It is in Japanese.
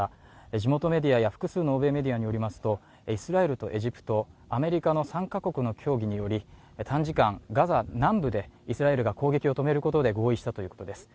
地元メディアや複数の欧米メディアによりますと、イスラエルとエジプト、アメリカの３か国の協議により短時間、ガザ南部でイスラエルが攻撃を止めることで合意したということです。